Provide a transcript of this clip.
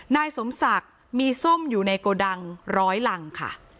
นายสมศักดิ์มีส้มอยู่ในโกดังร้อยรังค่ะ